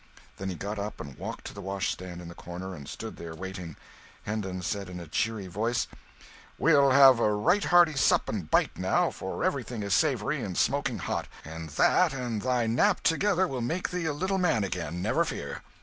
Then he got up and walked to the washstand in the corner and stood there, waiting. Hendon said in a cheery voice "We'll have a right hearty sup and bite, now, for everything is savoury and smoking hot, and that and thy nap together will make thee a little man again, never fear!"